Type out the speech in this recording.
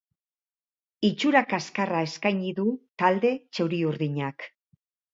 Itxura kaskarra eskaini du talde txuri-urdinak.